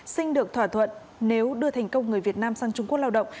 sinh được thỏa thuận nếu đưa thành công người việt nam sang trung quốc lao động